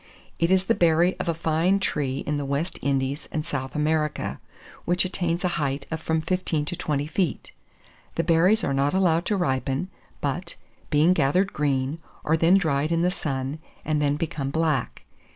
It is the berry of a fine tree in the West Indies and South America, which attains a height of from fifteen to twenty feet: the berries are not allowed to ripen, but, being gathered green, are then dried in the sun, and then become black.